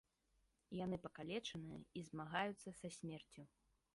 Яны пакалечаныя і змагаюцца са смерцю.